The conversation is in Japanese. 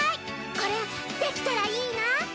これできたらいいな！